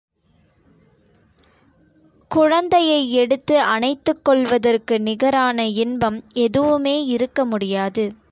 குழந்தையை எடுத்து அணைத்துக் கொள்வதற்கு நிகரான இன்பம் எதுவுமே இருக்க முடியாது.